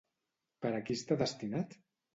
Per a qui està destinat?